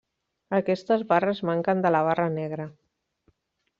Aquestes barres manquen de la barra negra.